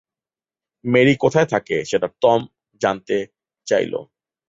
Mary কোথায় থাকে সেটা টম জানতে চাইল।